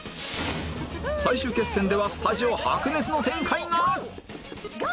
最終決戦ではスタジオ白熱の展開が！